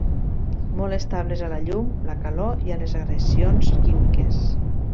Molt estables a la llum, la calor i a les agressions químiques.